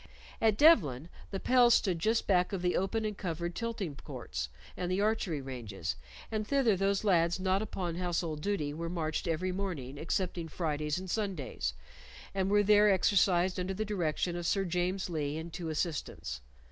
At Devlen the pels stood just back of the open and covered tilting courts and the archery ranges, and thither those lads not upon household duty were marched every morning excepting Fridays and Sundays, and were there exercised under the direction of Sir James Lee and two assistants.